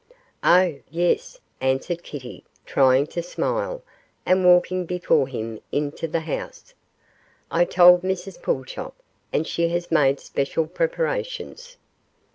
'Oh, yes,' answered Kitty, trying to smile, and walking before him into the house; 'I told Mrs Pulchop, and she has made special preparations.